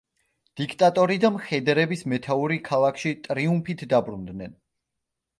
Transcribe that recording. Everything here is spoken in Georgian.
დიქტატორი და მხედრების მეთაური ქალაქში ტრიუმფით დაბრუნდნენ.